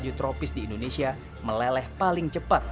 tutupan salju tropis di indonesia meleleh paling cepat